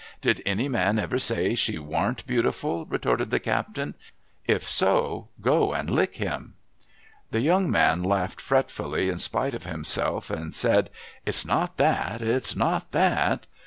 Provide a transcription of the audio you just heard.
'Did any man ever say she warn't beautiful?' retorted the captain. ' If so, go and lick him.' THE PAPER 235 The young man laughed fretfully in spite of himself, and said, ' It's not that, it's not that.'